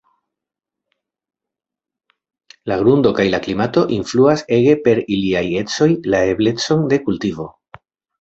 La grundo kaj la klimato influas ege per iliaj ecoj la eblecon de kultivo.